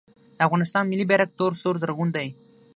د افغانستان ملي بیرغ تور سور زرغون دی